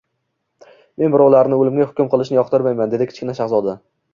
— Men birovlarni o'limga hukm qilishni yoqtirmayman, — dedi Kichkina shahzoda.